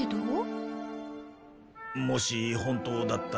もし本当だったら？